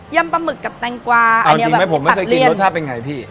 ยำปลาหมึกกับแตงกวาอันนี้ตัดเลี่ยนเอาจริงไหมผมไม่เคยกินรสชาติเป็นไงพี่